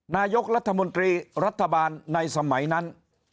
นายกรัฐมนตรีรัฐบาลในสมัยนั้น